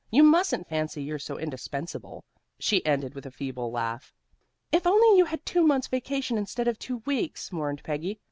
You mustn't fancy you're so indispensable," she ended with a feeble laugh. "If only you had two months' vacation, instead of two weeks," mourned Peggy.